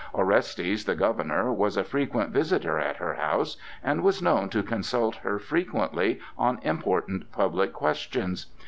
Orestes, the governor, was a frequent visitor at her house and was known to consult her frequently on important public questions.